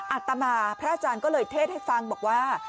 อัตมาพระอาจารย์ก็เลยเทศให้ฟังบอกว่า